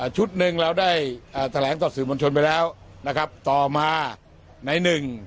ชุดหนึ่งเราได้แถลงต่อสื่อมวลชนไปแล้วนะครับต่อมาในหนึ่ง